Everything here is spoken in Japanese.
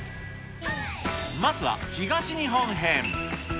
まずは、東日本編。